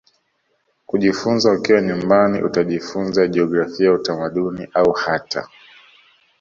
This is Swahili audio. kujifunza ukiwa nyumbani Utajifunza jiografia utamaduni au hata